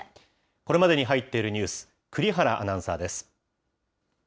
これまでに入っているニュース、栗原アナウンサーです。